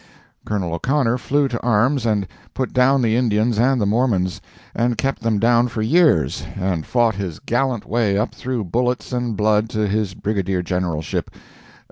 Colonel O'Connor flew to arms and put down the Indians and the Mormons, and kept them down for years—and fought his gallant way up through bullets and blood to his brigadier generalship.